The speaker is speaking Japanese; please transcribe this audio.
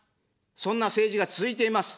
そんな政治が続いています。